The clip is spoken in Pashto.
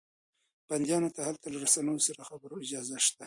بنديانو ته هلته له رسنيو سره د خبرو اجازه شته.